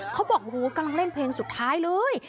เขาบอกโอ้โหกำลังเล่นเพลงสุดท้ายเลย